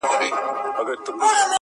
نور د منبر څوکو ته مه خېژوه!